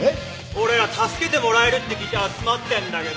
俺ら助けてもらえるって聞いて集まってんだけど！